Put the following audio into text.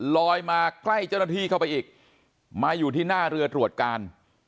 ลอยมาใกล้เจ้าหน้าที่เข้าไปอีกมาอยู่ที่หน้าเรือตรวจการ